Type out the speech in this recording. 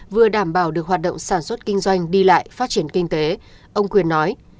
vừa đảm bảo được hoạt động sản xuất kinh doanh đi lại phát triển kinh tế ông quyền nói